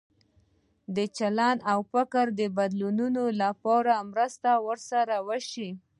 د چلند او فکر بدلولو لپاره مرسته ورسره وشي.